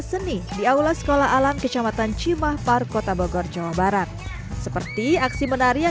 seni di aula sekolah alam kecamatan cimah par kota bogor jawa barat seperti aksi menarik yang